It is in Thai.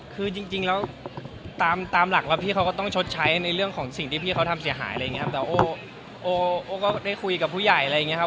คือจริงแล้วตามตามหลักแล้วพี่เขาก็ต้องชดใช้ในเรื่องของสิ่งที่พี่เขาทำเสียหายอะไรอย่างเงี้ครับแต่โอ้ก็ได้คุยกับผู้ใหญ่อะไรอย่างเงี้ครับ